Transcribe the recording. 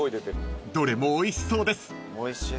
［どれもおいしそうです］